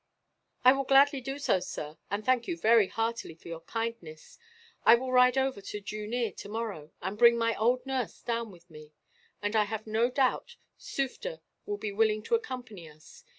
"I will gladly do so, sir, and thank you very heartily for your kindness. I will ride over to Jooneer, tomorrow, and bring my old nurse down with me; and I have no doubt Sufder will be willing to accompany us.